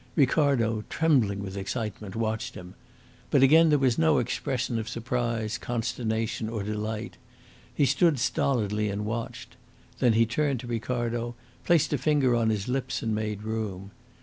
Ricardo, trembling with excitement, watched him. But again there was no expression of surprise, consternation, or delight. He stood stolidly and watched. Then he turned to Ricardo, placed a finger on his lips, and made room.